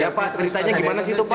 ya pak ceritanya gimana sih itu pak